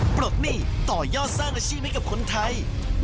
ปลดหนี้ต่อยอดสร้างอาชีพให้กับคนไทย